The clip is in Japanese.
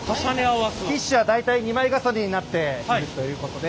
ティッシュは大体２枚重ねになっているということで。